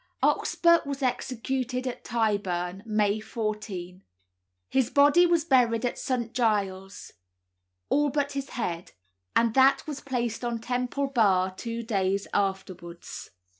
Oxburgh was executed at Tyburn, May 14; his body was buried at St. Giles', all but his head, and that was placed on Temple Bar two days afterwards.